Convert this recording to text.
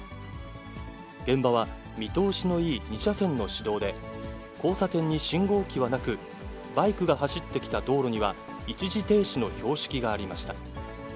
現場は見通しのいい２車線の市道で、交差点に信号機はなく、バイクが走ってきた道路には、一時停止の標識がありました。